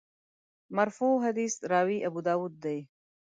مرفوع حدیث راوي ابوداوود دی.